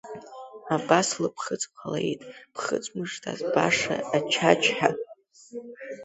Абас лыԥхыӡ ҟалеит ԥхыӡ мыжда збаша Ачачҳа.